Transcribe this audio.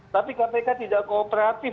tapi kpk tidak kooperatif